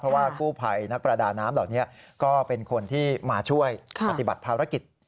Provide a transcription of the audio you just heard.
เพราะว่ากู้ภัยนักประดาน้ำเหล่านี้ก็เป็นคนที่มาช่วยปฏิบัติภารกิจ